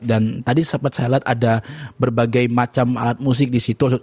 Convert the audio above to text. dan tadi saya lihat ada berbagai macam alat musik di situ